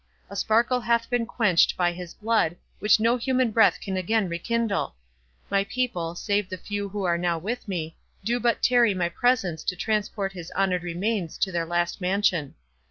—A sparkle hath been quenched by his blood, which no human breath can again rekindle! My people, save the few who are now with me, do but tarry my presence to transport his honoured remains to their last mansion.